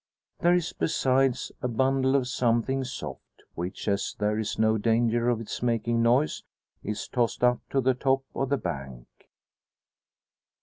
There is, besides, a bundle of something soft, which, as there is no danger of its making noise, is tossed up to the top of the bank.